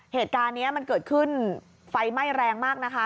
เหตุการณ์นี้มันเกิดขึ้นไฟไหม้แรงมากนะคะ